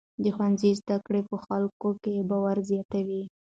د ښوونځي زده کړې په خلکو کې باور زیاتوي.